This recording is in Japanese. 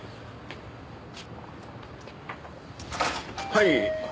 はい。